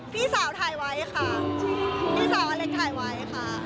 พี่สาวอะไรถ่ายไว้ค่ะ